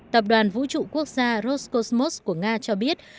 tập đoàn vũ trụ quốc gia roscosmos của nga cho biết